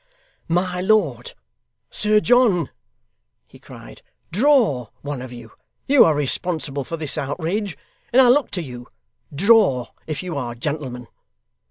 'My lord Sir John,' he cried, 'draw, one of you you are responsible for this outrage, and I look to you. Draw, if you are gentlemen.